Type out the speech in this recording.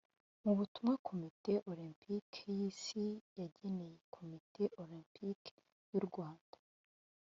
Mu butumwa Komite Olempike y’isi yageneye komite Olempike y’u Rwanda